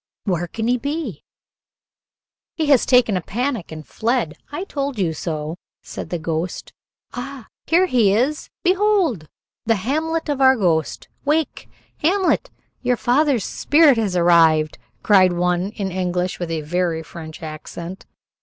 "Where then can he be?" "He has taken a panic and fled. I told you so," said the ghost. "Ah, here he is! Behold! The Hamlet of our ghost! Wake, Hamlet; your father's spirit has arrived," cried one in English with a very French accent.